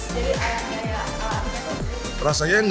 jadi ayamnya enak